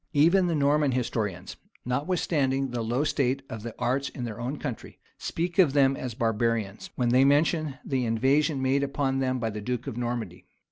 Even the Norman historians, notwithstanding the low state of the arts in their own country, speak of them as barbarians, when they mention the invasion made upon them by the duke of Normandy.